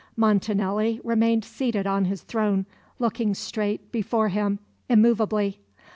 Montanelli remained seated on his throne, looking straight before him, immovably.